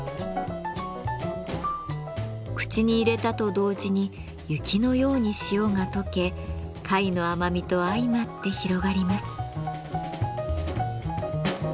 口に入れたと同時に雪のように塩が溶け貝の甘みと相まって広がります。